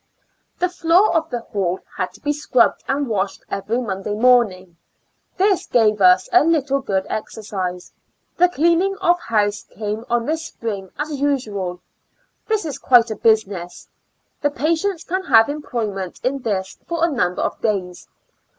The floor of the hall had to be scrubbed and washed every Monday morning; this gave us a little good exercise. The clean ing of house came on this spring, as usual; this is quite a business; the patients can have employment in this for a number of days.